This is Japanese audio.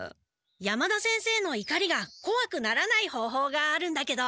山田先生のいかりがこわくならない方法があるんだけど。